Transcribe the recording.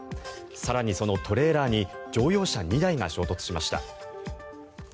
更に、そのトレーラーに乗用車２台が衝突しました。